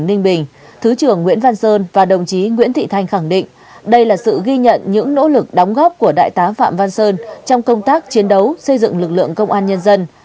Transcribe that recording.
phát biểu tại buổi lễ công bố thứ trưởng nguyễn văn sơn và đồng chí nguyễn thị thanh khẳng định đây là sự ghi nhận những nỗ lực đóng góp của đại tá phạm văn sơn trong công tác chiến đấu xây dựng lực lượng công an nhân dân